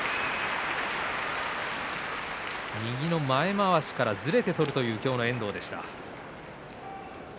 右の前まわしからずれてくるという今日の遠藤でした。